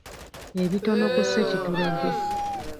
Ebitono ku ssekitulege.